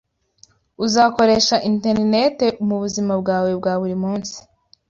uzakoresha interineti mubuzima bwawe bwa buri munsi